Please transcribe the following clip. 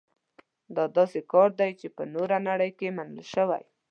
دا داسې کار دی چې په نوره نړۍ کې منل شوی.